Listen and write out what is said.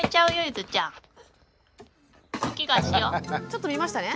ちょっと見ましたね。